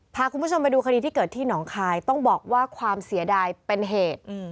พาคุณผู้ชมไปดูคดีที่เกิดที่หนองคายต้องบอกว่าความเสียดายเป็นเหตุ